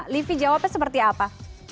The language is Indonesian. livi jawabnya seperti apa